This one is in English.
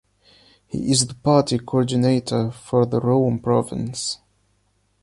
He is the Party Coordinator for the Rome Province.